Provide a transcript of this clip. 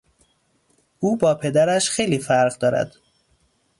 او با پدرش خیلی فرق دارد.